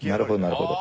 なるほど！